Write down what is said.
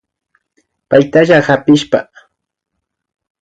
Paytalla kapishpa